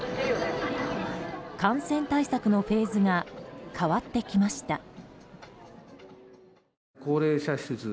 感染対策のフェーズが変わってきました。